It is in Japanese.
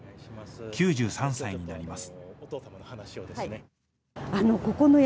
９３歳になります。